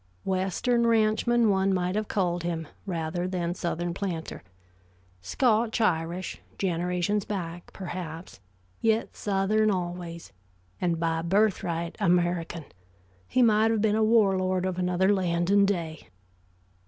Western ranchman one might have called him, rather than Southern planter. Scotch Irish, generations back, perhaps, yet Southern always, and by birthright American, he might have been a war lord of another land and day.